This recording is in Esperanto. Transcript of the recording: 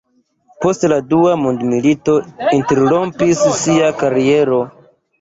Post la dua mondmilito interrompis ŝia kariero.